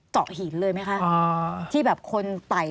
สวัสดีค่ะที่จอมฝันครับ